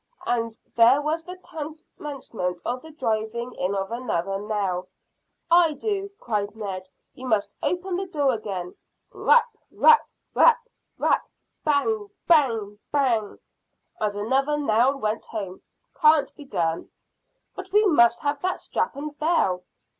and there was the commencement of the driving in of another nail. "I do," cried Ned. "You must open the door again." Rap, rap, rap, rap, bang, bang, bang, as another nail went home. "Can't be done." "But we must have that strap and bell."